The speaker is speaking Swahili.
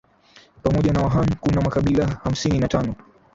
Pamoja na Wahan kuna makabila hamsini na tano